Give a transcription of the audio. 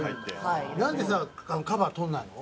なんでさカバー取らないの？